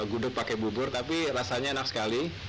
gudeg pakai bubur tapi rasanya enak sekali